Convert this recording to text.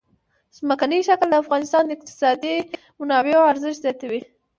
ځمکنی شکل د افغانستان د اقتصادي منابعو ارزښت زیاتوي.